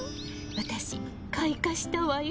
私開花したわよ。